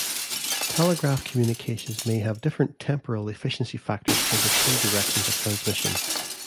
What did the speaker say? Telegraph communications may have different temporal efficiency factors for the two directions of transmission.